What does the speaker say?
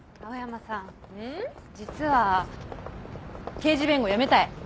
刑事弁護やめたい？